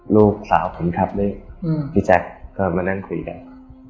ลูกสาวผมขับด้วยพี่แจ๊คก็มานั่งคุยกัน